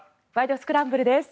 スクランブル」です。